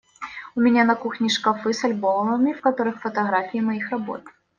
У меня на кухне шкафы с альбомами, в которых фотографии моих работ.